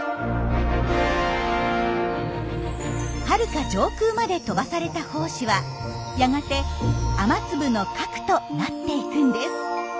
はるか上空まで飛ばされた胞子はやがて雨粒の核となっていくんです。